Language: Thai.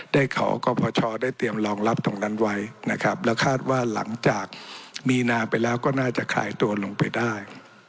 ขอกรพชได้เตรียมรองรับตรงนั้นไว้นะครับแล้วคาดว่าหลังจากมีนาไปแล้วก็น่าจะขายตัวลงไปได้